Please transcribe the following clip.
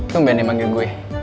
tumben yang manggil gue